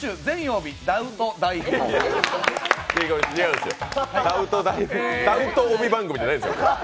違いますよ、ダウト帯番組じゃないんですよ。